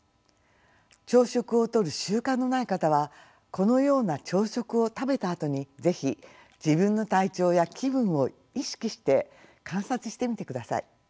朝食をとる習慣のない方はこのような朝食を食べたあとに是非自分の体調や気分を意識して観察してみてください。